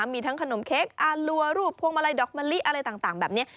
มีทั้งขนมเค้กอารัวรูปพวงมาลัยดอกมะลิอะไรต่างแบบนี้